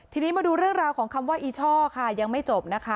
ทีนี้มาดูเรื่องราวของคำว่าอีช่อค่ะยังไม่จบนะคะ